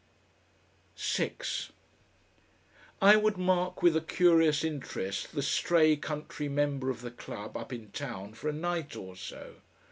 6 I would mark with a curious interest the stray country member of the club up in town for a night or so.